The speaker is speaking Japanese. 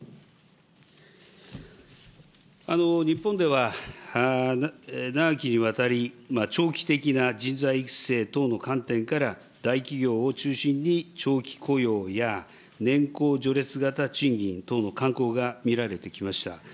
日本では長きにわたり、長期的な人材育成等の観点から、大企業を中心に長期雇用や年功序列型賃金等の慣行が見られてきました。